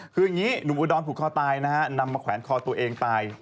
คืออย่างนี้หนุ่มอุดรผูกคอตายนะฮะนำมาแขวนคอตัวเองตาย